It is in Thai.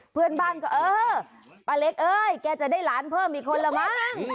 เพื่อนบ้านก็เออป้าเล็กเอ้ยแกจะได้หลานเพิ่มอีกคนละมั้ง